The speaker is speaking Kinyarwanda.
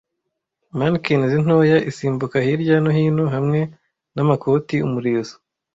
Manikins ntoya isimbuka hirya nohino hamwe namakoti umurizo ,